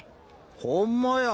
ホンマや。